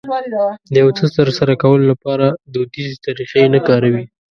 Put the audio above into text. د يو څه ترسره کولو لپاره دوديزې طريقې نه کاروي.